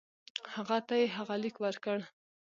هغه ته یې هغه لیک ورکړ.